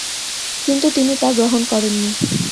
কিন্তু তিনি তা গ্রহণ করেননি।